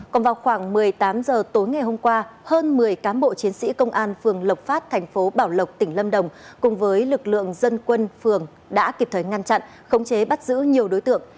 còn vào khoảng một mươi tám h tối ngày hôm qua hơn một mươi cán bộ chiến sĩ công an phường lộc phát thành phố bảo lộc tỉnh lâm đồng cùng với lực lượng dân quân phường đã kịp thời ngăn chặn khống chế bắt giữ nhiều đối tượng